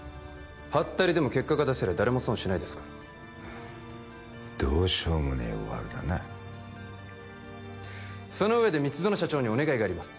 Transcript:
ハッタリでも結果が出せりゃ誰も損しないですからどうしようもねえワルだなその上で蜜園社長にお願いがあります